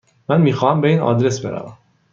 من میخواهم به این آدرس بروم.